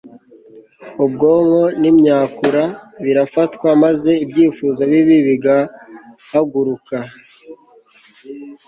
ubwonko nimyakura birafatwa maze ibyifuzo bibi bigahaguruka